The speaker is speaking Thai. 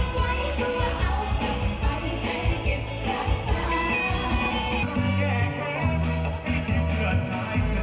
ก็รู้สึกอบอุ่นนะคะ